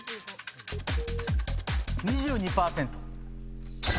２２％。